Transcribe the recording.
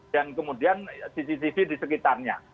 dan kemudian cctv di sekitarnya